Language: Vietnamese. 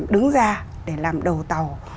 đứng ra để làm đầu tàu